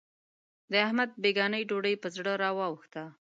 د احمد بېګانۍ ډوډۍ په زړه را وا وښتله.